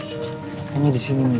kayaknya di sini nih